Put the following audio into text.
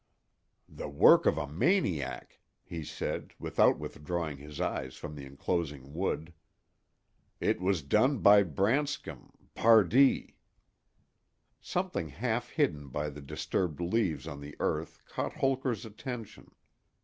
"The work of a maniac," he said, without withdrawing his eyes from the inclosing wood. "It was done by Branscom—Pardee." Something half hidden by the disturbed leaves on the earth caught Holker's attention.